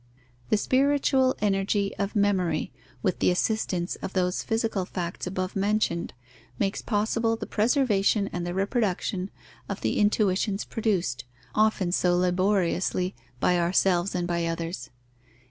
The spiritual energy of memory, with the assistance of those physical facts above mentioned, makes possible the preservation and the reproduction of the intuitions produced, often so laboriously, by ourselves and by others.